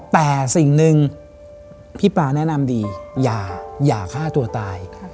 แต่สิ่งหนึ่งพี่ปาแนะนำดีอย่าฆ่าตัวตาย